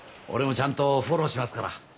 俺もちゃんとフォローしますから！